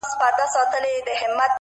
مهرباني د کینې دیوالونه نړوي؛